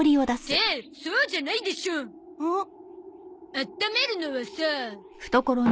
あっためるのはさ。